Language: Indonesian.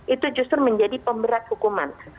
itu justru menjadi pemberat hukuman